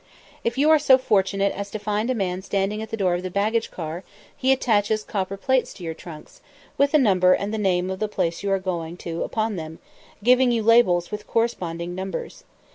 If you are so fortunate as to find a man standing at the door of the baggage car, he attaches copper plates to your trunks, with a number and the name of the place you are going to upon them, giving you labels with corresponding numbers.